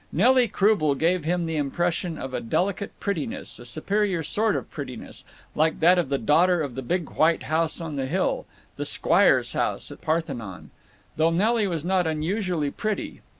Nelly Croubel gave him the impression of a delicate prettiness, a superior sort of prettiness, like that of the daughter of the Big White House on the Hill, the Squire's house, at Parthenon; though Nelly was not unusually pretty.